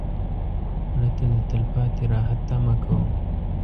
مړه ته د تلپاتې راحت تمه کوو